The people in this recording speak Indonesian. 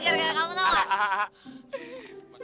gara gara kamu tau gak